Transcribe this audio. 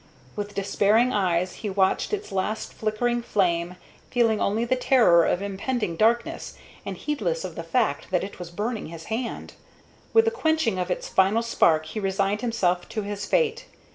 With despairing eyes he watched its last flickering flame, feeling only the terror of impending darkness, and heedless of the fact that it was burning his hand. With the quenching of its final spark he resigned himself to his fate.